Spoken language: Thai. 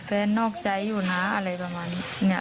นอกใจอยู่นะอะไรประมาณนี้